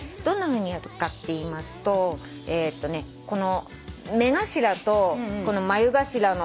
どんなふうにやるかっていいますとこの目頭と眉頭の間。